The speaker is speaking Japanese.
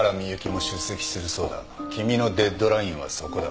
君のデッドラインはそこだ。